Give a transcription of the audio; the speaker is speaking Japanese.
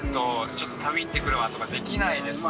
ちょっと旅行ってくるわとかできないですもんね。